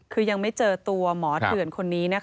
คือยังไม่เจอตัวหมอเถื่อนคนนี้นะคะ